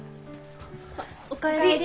お帰り。